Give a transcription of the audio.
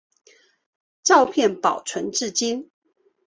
照片保存至今。